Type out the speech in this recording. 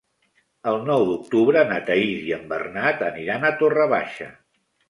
El nou d'octubre na Thaís i en Bernat aniran a Torre Baixa.